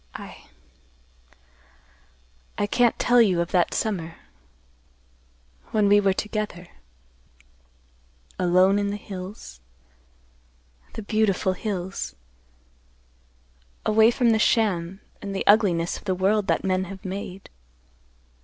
I—I can't tell you of that summer—when we were together—alone in the hills—the beautiful hills—away from the sham and the ugliness of the world that men have made.